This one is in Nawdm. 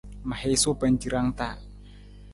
Ma hiisu pancirang ta.